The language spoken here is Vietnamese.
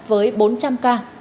với bốn trăm linh ca